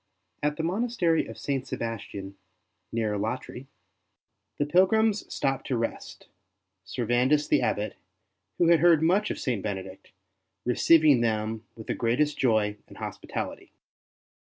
At the monastery of St. Sebastian, near Alatri, the pilgrims stopped to rest, Servandus the Abbot, who had heard much of St. Bene dict, receiving them with the greatest joy and hospitaUty.